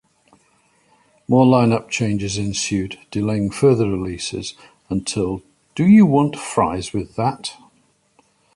More line-up changes ensued, delaying further releases, until Do You Want Fries With That?